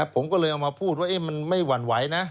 ผมก็เลยเอามาพูดว่ามันไม่หวั่นไหวนะ